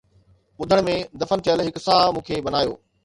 ٻڌڻ ۾ دفن ٿيل هڪ ساهه مون کي بنايو